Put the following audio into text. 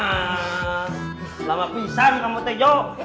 selamat pisan kamu tejo